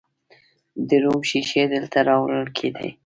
د روم شیشې دلته راوړل کیدې